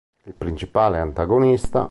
Il principale antagonista.